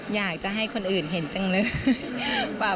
อยากจะให้คนอื่นเห็นจังเลย